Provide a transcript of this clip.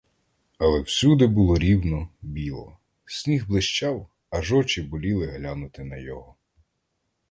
Але всюди було рівно, біло; сніг блищав, аж очі боліли глянути на його.